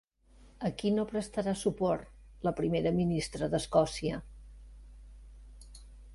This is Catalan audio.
A qui no prestarà suport la primera ministra d'Escòcia?